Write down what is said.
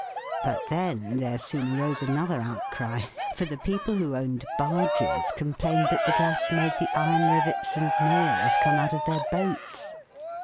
But then there soon arose another outcry, for the people who owned barges complained that the gas made the iron rivets and nails come out of their boats.